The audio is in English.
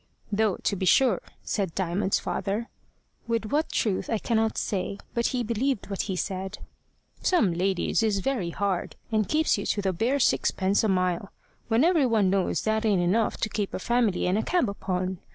"Though, to be sure," said Diamond's father with what truth I cannot say, but he believed what he said "some ladies is very hard, and keeps you to the bare sixpence a mile, when every one knows that ain't enough to keep a family and a cab upon.